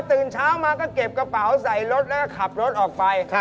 ตื่นเช้ามาก็เก็บกระเป๋าใส่รถแล้วก็ขับรถออกไป